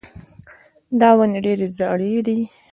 دا ونې ډېرې زاړې دي.